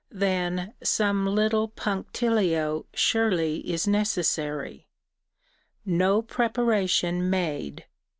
Then some little punctilio surely is necessary. No preparation made.